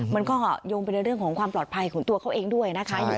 มันก็โยงไปในเรื่องของความปลอดภัยของตัวเขาเองด้วยนะคะ